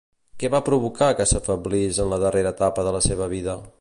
Què va provocar que s'afeblís en la darrera etapa de la seva vida?